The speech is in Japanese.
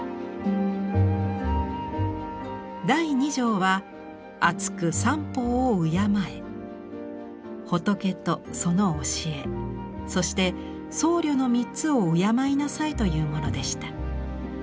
第二条は仏とその教えそして僧侶の３つを敬いなさいというものでした。